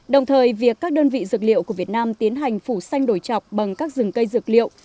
đồng thời việc các đơn vị dược liệu của việt nam tiến hành phủ xanh đổi chọc bằng các rừng cây dược liệu